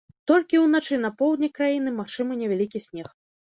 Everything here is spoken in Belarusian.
Толькі ўначы па поўдні краіны магчымы невялікі снег.